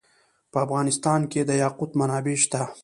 په افغانستان کې د یاقوت منابع شته.